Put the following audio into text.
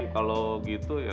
kalau gitu ya